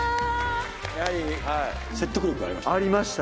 やはり説得力ありました。